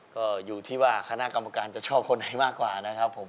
ก็อยู่ที่ว่าคณะกรรมการจะชอบคนไหนมากกว่านะครับผม